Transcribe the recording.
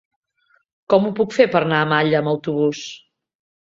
Com ho puc fer per anar a Malla amb autobús?